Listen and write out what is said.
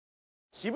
渋谷